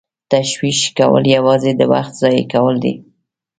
تشویش کول یوازې د وخت ضایع کول دي.